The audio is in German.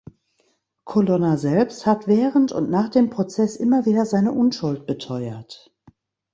Colonna selbst hat während und nach dem Prozess immer wieder seine Unschuld beteuert.